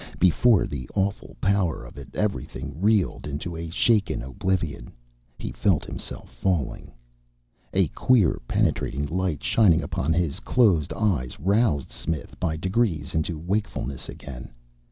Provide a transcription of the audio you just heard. Before the awful power of it everything reeled into a shaken oblivion. He felt himself falling.... A queer, penetrating light shining upon his closed eyes roused Smith by degrees into wakefulness again.